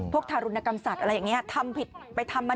ทารุณกรรมสัตว์อะไรอย่างนี้ทำผิดไปทำมา